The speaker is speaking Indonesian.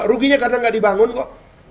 ruginya karena nggak dibangun kok